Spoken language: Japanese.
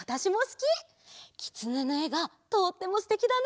きつねのえがとってもすてきだね。